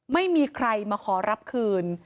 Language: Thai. ไม่มีใครมาขอรับคืน